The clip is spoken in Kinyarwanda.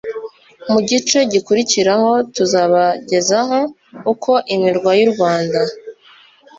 Mu gice gikurikiraho, tuzabagezaho uko imirwa y'u Rwanda